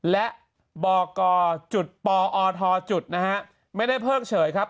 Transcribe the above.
และบกจุดปอทจุดนะฮะไม่ได้เพิ่งเฉยครับ